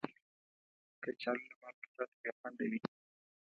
کچالو له مالګې پرته بې خوند وي